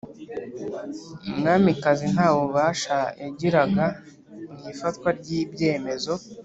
Umwamikazi nta bubasha yagiraga mu ifatwa ry’ibyemezo,